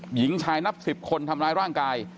หญิงชายนับ๑๐คนทำร้ายร่างกาย